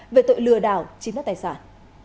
về tội lừa đảo chiếm đất tài sản